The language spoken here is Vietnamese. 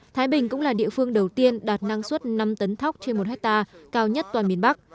thái bình cũng là địa phương đầu tiên đạt năng suất năm tấn thóc trên một hectare cao nhất toàn miền bắc